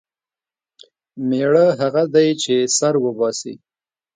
مېړه هغه دی چې سر وباسي.